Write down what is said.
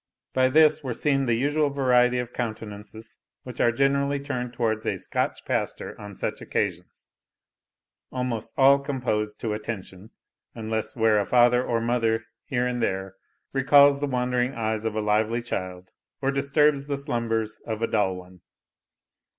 By this were seen the usual variety of countenances which are generally turned towards a Scotch pastor on such occasions, almost all composed to attention, unless where a father or mother here and there recalls the wandering eyes of a lively child, or disturbs the slumbers of a dull one.